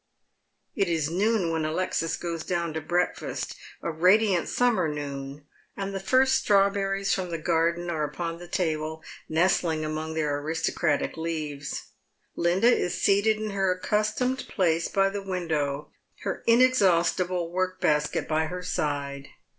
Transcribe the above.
It is noon when Alexis goes down to breakfast, a radiant summer noon, and the first strawberries from the garden Rr« a852 Dead Men's Shoe*. npon the table, nestling among their aristocratic leaves. Linda is seated in her accustomed place by the window, her inexhaus tible work basket by her side.